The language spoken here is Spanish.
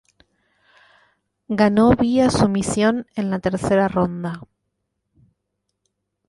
Ganó vía sumisión en la tercera ronda.